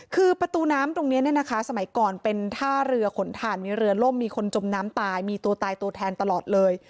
คือประตูน้ำตรงนี้เนี่ยนะคะสมัยก่อนเป็นท่าเรือขนถ่านมีเรือล่มมีคนจมน้ำตายมีตัวตายตัวแทนตลอดเลย